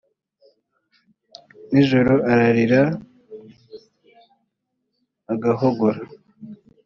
nijoro ararira agahogora